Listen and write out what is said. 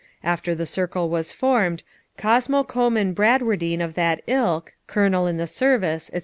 After the circle was formed, Cosmo Comyne Bradwardine of that ilk, colonel in the service, etc.